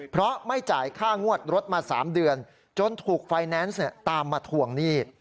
เพราะไม่จ่ายค่างวดรถมา๓เดือนจนถูกไฟแนนซ์ตามมาทวงหนี้